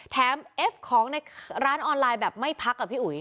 เอฟของในร้านออนไลน์แบบไม่พักอ่ะพี่อุ๋ย